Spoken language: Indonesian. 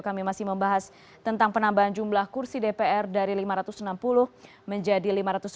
kami masih membahas tentang penambahan jumlah kursi dpr dari lima ratus enam puluh menjadi lima ratus enam puluh